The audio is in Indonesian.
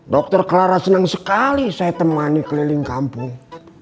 dokter clara senang sekali saya temani keliling kampung